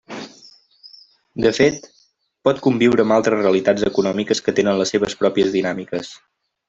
De fet, pot conviure amb altres realitats econòmiques que tenen les seues pròpies dinàmiques.